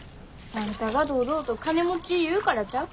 あんたが堂々と金持ち言うからちゃう？